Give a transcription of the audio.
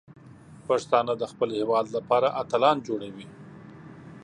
پښتانه د خپل هیواد لپاره اتلان جوړوي.